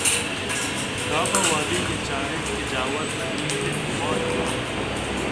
کاف ءَوہدے کہ چاراِت کہ جاور نگیگ تربوہان اَنت